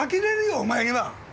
お前には。